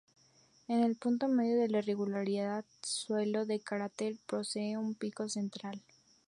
En el punto medio del irregular suelo del cráter posee un pico central.